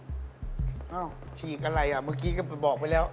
เอ้าฉีกอะไรอ่ะเมื่อกี้ก็ไปบอกไปแล้ว